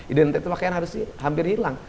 identitas pakaian harusnya hampir hilang